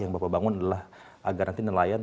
yang bapak bangun adalah agar nanti nelayan